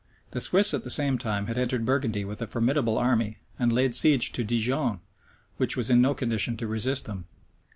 The Swiss at the same time had entered Burgundy with a formidable army, and laid siege to Dijon, which was in no condition to resist them.